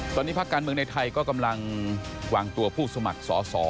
ตอนนี้ภาคการเมืองในไทยก็กำลังวางตัวผู้สมัครสอสอ